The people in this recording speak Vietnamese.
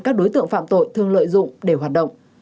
các đối tượng phạm tội thường lợi dụng để hoạt động